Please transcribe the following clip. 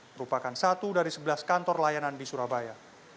merupakan satu dari sebelas kantor layanan di surabaya